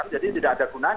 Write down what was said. jadi tidak ada gunanya